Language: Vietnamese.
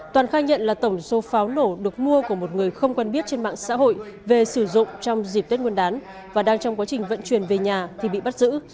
toàn khai nhận là tổng số pháo nổ được mua của một người không quen biết trên mạng xã hội về sử dụng trong dịp tết nguyên đán và đang trong quá trình vận chuyển về nhà thì bị bắt giữ